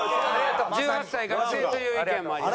１８歳学生という意見もあります。